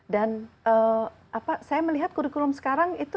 dan saya melihat kurikulum sekarang itu